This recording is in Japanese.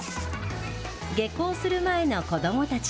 下校する前の子どもたち。